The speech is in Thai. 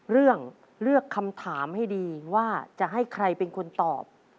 เลือกเลือกคำถามให้ดีว่าจะให้ใครเป็นคนตอบ